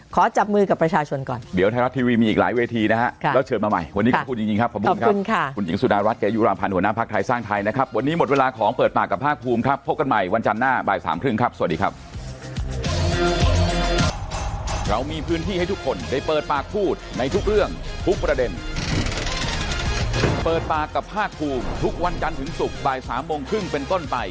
ขอจับมือกับประชาชนก่อน